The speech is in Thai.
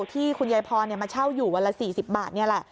ที่คุณยายพรมาเช่าอยู่วันละ๔๐บาทนี่แหละ